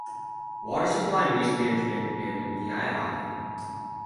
Water supply and Waste Management and vii.